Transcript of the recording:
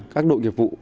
các đội nghiệp vụ